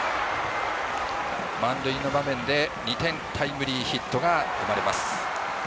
満塁の場面で２点タイムリーヒットが生まれます。